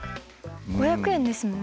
５００円ですもんね。